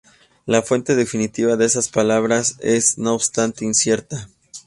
La fuente definitiva de esas palabras es, no obstante, incierta.